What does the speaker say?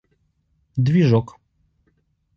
Движок